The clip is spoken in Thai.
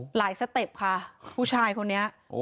สเต็ปค่ะผู้ชายคนนี้